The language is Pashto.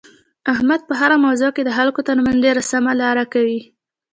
احمد په هره موضوع کې د خلکو ترمنځ ډېره سمه لاره کوي.